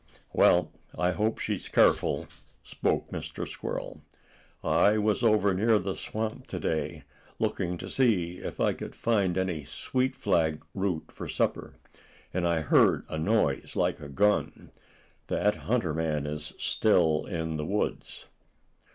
"Well, I hope she is careful," spoke Mr. Squirrel. "I was over near the swamp, to day, looking to see if I could find any sweetflag root for supper, and I heard a noise like a gun. That hunter man is still in the woods."